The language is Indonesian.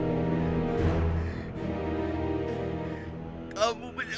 aku akan mencari siapa saja yang bisa membantu kamu